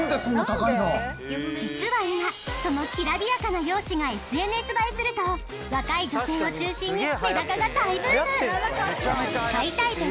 実は今そのきらびやかな容姿が「ＳＮＳ映えする」と若い女性を中心にメダカが大ブーム！